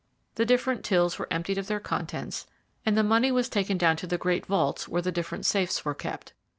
The different tills were emptied of their contents, and the money was taken down to the great vaults where the different safes were kept.